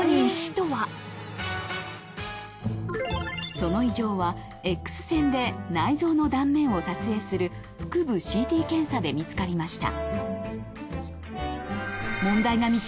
その異常はＸ線で内臓の断面を撮影する腹部ＣＴ検査で見つかりました。